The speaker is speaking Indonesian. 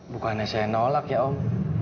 bukannya saya nolak ya om